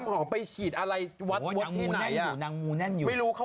ก็ดีแล้วโสดด้วยเถอะ